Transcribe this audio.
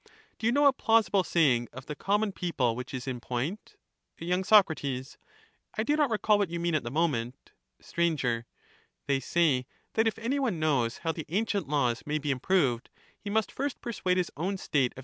Do you know a plausible saying of the common people which is in point ? y. Sac. I do not recall what you mean at the moment. Sir. They say that if any one knows how the ancient laws A reformer may be improved, he must first persuade his own State of ^^°"^^jj^.